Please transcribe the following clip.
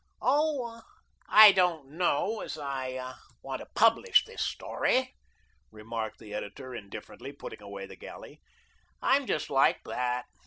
"Oh, I don't know as I want to publish this story," remarked the editor, indifferently, putting away the galley. "I'm just like that.